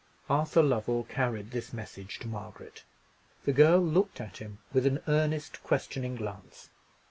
Arthur Lovell carried this message to Margaret. The girl looked at him with an earnest questioning glance.